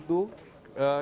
itu ada yang berjudi